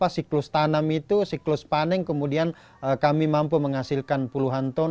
siklus tanam itu siklus panen kemudian kami mampu menghasilkan puluhan ton